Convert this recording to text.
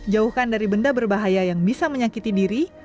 jauhkan dari benda berbahaya yang bisa menyakiti diri